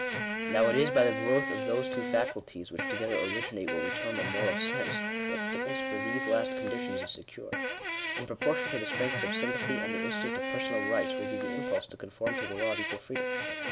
Now it is by the growth of those two faculties which together originate what we term a Moral Sense, that fitness for these last condi tions is secured. In proportion to the strengths of sympathy, and the instinct of personal rights, will be the impulse to con form to the law of equal freedom.